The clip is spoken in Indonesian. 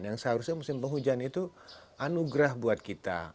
yang seharusnya musim penghujan itu anugerah buat kita